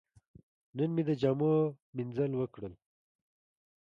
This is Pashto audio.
نن مې د جامو مینځل وکړل.